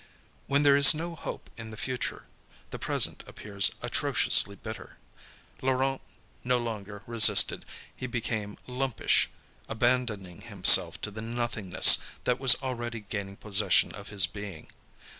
When there is no hope in the future, the present appears atrociously bitter. Laurent no longer resisted, he became lumpish, abandoning himself to the nothingness that was already gaining possession of his being.